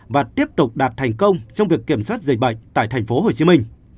và tiếp tục đạt thành công trong việc kiểm soát dịch bệnh tại tp hcm